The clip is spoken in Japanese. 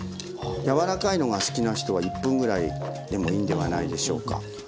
柔らかいのが好きな人は１分ぐらいでもいいんではないでしょうか。